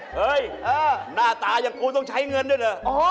เฮ้ยหน้าตายังกูต้องใช้เงินด้วยเหรอ